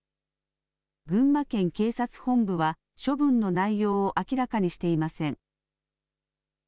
群馬県警察本部は処分の内容を明らかにしていません。